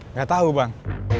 nggak tau bang